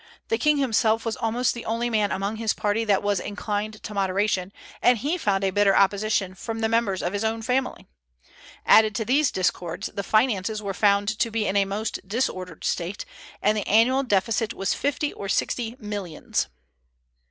The king himself was almost the only man among his party that was inclined to moderation, and he found a bitter opposition from the members of his own family. Added to these discords, the finances were found to be in a most disordered state, and the annual deficit was fifty or sixty millions.